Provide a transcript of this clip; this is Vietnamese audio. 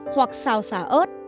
hoặc xào xả ớt